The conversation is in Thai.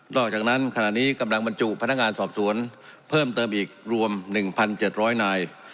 นอกจากนั้นขณะนี้กำลังปัจจุพนักงานสอบสวนเพิ่มเติมอีกรวมหนึ่งพันเจ็ดร้อยนาย